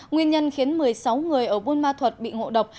nguyên nhân khiến một mươi sáu người ở buôn ma thuật bị ngộ độc